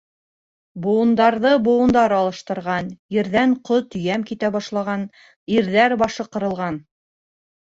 Быуындарҙы быуындар алыштырған, ерҙән ҡот-йәм китә башлаған, ирҙәр башы ҡырылған.